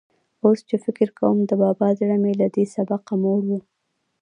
اوس چې فکر کوم، د بابا زړه مې له دې سبقه موړ و.